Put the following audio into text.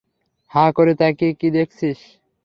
হাঁ করে তাকিয়ে কি দেখছিস?